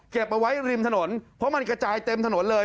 เอาไว้ริมถนนเพราะมันกระจายเต็มถนนเลย